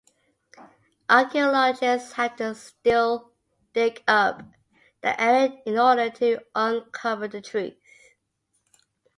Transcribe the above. Archaeologists have to still dig up the area in order to uncover the truth.